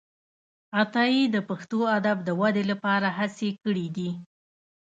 عطايي د پښتو ادب د ودې لپاره هڅي کړي دي.